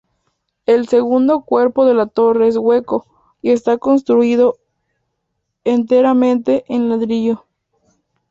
El segundo cuerpo de la torre es hueco y está construido enteramente en ladrillo.